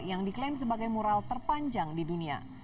yang diklaim sebagai mural terpanjang di dunia